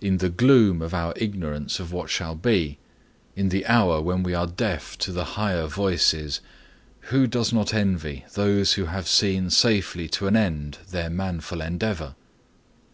In the gloom of our ignorance of what shall be, in the hour when we are deaf to the higher voices, who does not envy those who have seen safely to an end their manful endeavor?